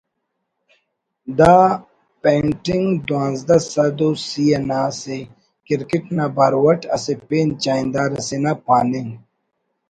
دا پینٹنگ دونزدہ سد و سِی نا سے کرکٹ نا بارو اٹ اسہ پین چاہندار اسے نا پاننگ